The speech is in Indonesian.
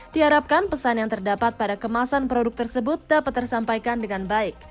diharapkan pesan yang terdapat pada kemasan produk tersebut dapat tersampaikan dengan baik